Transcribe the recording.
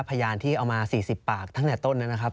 พยานที่เอามา๔๐ปากตั้งแต่ต้นนะครับ